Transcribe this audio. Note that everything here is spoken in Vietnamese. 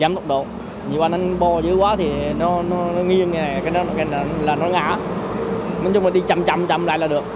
giảm tốc độ nhiều anh anh bò dữ quá thì nó nghiêng này cái đó là nó ngã nói chung là đi chậm chậm chậm lại là được